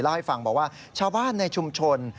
ให้ฟังบอกว่าชาวบ้านในชุมชน